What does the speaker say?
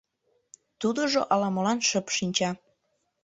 Тудыжо ала-молан шып шинча.